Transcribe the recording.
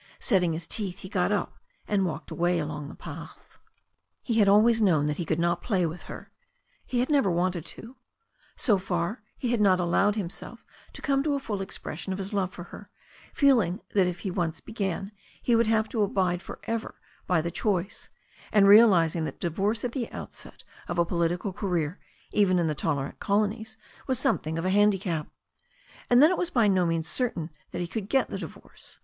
Setting his teeth, he got up, and walked away along the path. He had always known that he could not play with her. He had never wanted to. So far he had not allowed himself to come to a full expression of his love for her, feeling that THE STORY OF A NEW ZEALAND RIVER 321 if he once began he would have to abide for ever by the choice, and realizing that divorce at the outset of a political career, even in the tolerant colonies, was something of a handicap. And then it was by no means certain that he could get the divorce.